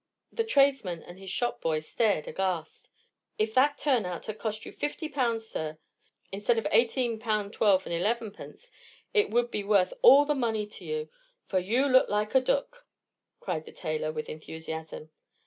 The tradesman and his shopboy stared aghast. "If that turn out had cost you fifty pound, sir, instead of eighteen pound, twelve, and elevenpence, it would be worth all the money to you; for you look like a dook;" cried the tailor, with enthusiasm.